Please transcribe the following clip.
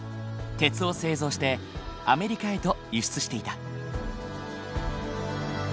鉄を製造してアメリカへと輸出していた。